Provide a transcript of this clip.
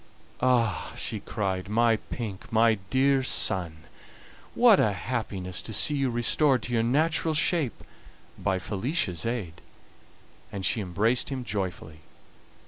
"Ah!" she cried, "my pink, my dear son, what a happiness to see you restored to your natural shape by Felicia's aid!" And she embraced him joyfully.